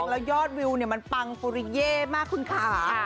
แล้วยอดวิวมันปังฟุรีเย่มากขึ้นขา